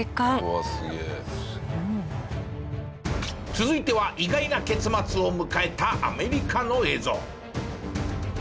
続いては意外な結末を迎えたアメリカの映像。